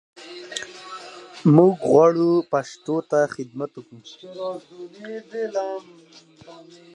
د آواز کیسې یې ولاړې تر ملکونو